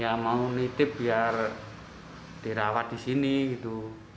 ya mau nitip biar dirawat disini gitu